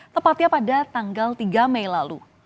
tepatnya pada tanggal tiga mei lalu